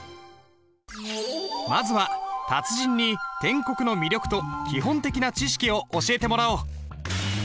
まずは達人に篆刻の魅力と基本的な知識を教えてもらおう。